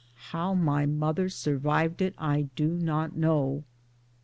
How my mother survived it I do not know.